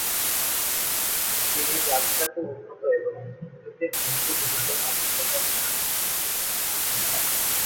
তিনি যাত্রাকে উন্নত এবং সংগীতের অংশগুলিকে মার্জিত করেন ।